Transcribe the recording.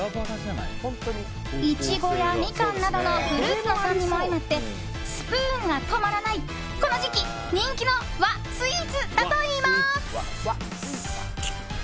イチゴやミカンなどのフルーツの酸味も相まってスプーンが止まらないこの時期、人気の和スイーツだといいます。